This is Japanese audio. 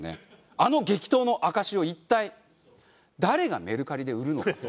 あの激闘の証しを一体誰がメルカリで売るのかと。